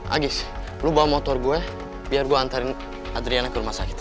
agis lo bawa motor gue biar gue antarin adriana ke rumah sakit